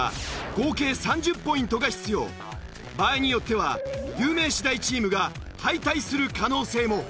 場合によっては有名私大チームが敗退する可能性も。